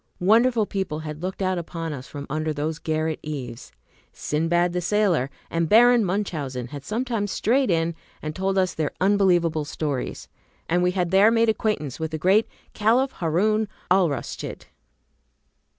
Wonderful people had looked out upon us from under those garret eaves. Sindbad the Sailor and Baron Munchausen had sometimes strayed in and told us their unbelievable stories; and we had there made acquaintance with the great Caliph Haroun Alraschid.